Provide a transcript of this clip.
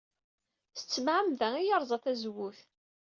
S tmeɛmada ay yerẓa tazewwut.